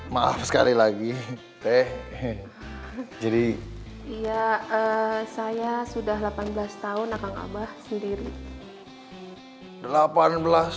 maaf sekali lagi teh jadi iya saya sudah delapan belas tahun akan kabar sendiri